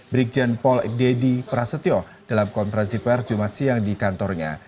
brigjen pol dedy prasetyo dalam konferensi perjumat siang di kantornya